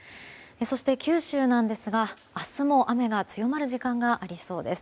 そして、九州なんですが明日も雨が強まる時間がありそうです。